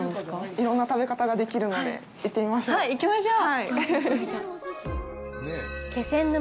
いろんな食べ方ができるので行ってみましょう！